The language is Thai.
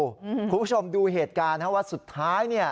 คุณผู้ชมดูเหตุการณ์ว่าสุดท้ายเนี่ย